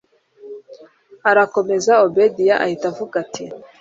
arakomeza obedia ahita avuga ati